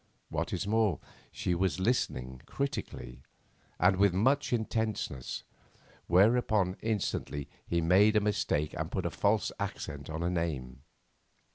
What is more, she was listening critically, and with much intenseness, whereupon, instantly, he made a mistake and put a false accent on a name.